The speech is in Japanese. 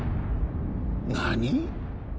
何？